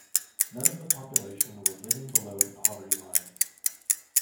None of the population was living below the poverty line.